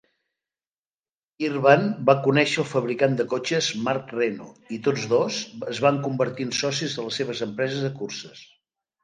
Irvan va conèixer el fabricant de cotxes Marc Reno i tots dos es van convertir en socis de les seves empreses de curses.